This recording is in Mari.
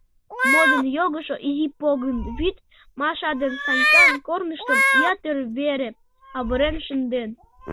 Модын йогышо изи погын вӱд Маша ден Санькан корныштым ятыр вере авырен шынден.